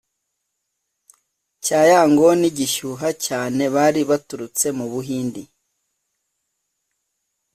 cya Yangon gishyuha cyane Bari baturutse mu Buhindi